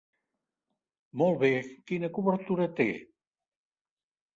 Molt bé, quina cobertura té?